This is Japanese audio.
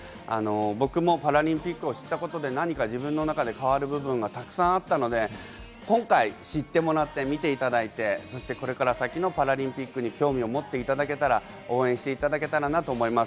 僕もパラリンピックを知ったことで何か自分の中で変わる部分がたくさんあったので今回知ってもらって見ていただいてこれから先のパラリンピックに興味を持っていただけたら、応援していただけたらなと思います。